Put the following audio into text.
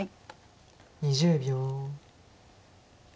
２０秒。